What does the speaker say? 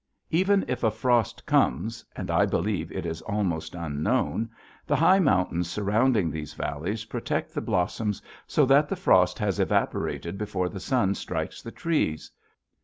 Even if a frost comes, and I believe it is almost unknown, the high mountains surrounding these valleys protect the blossoms so that the frost has evaporated before the sun strikes the trees.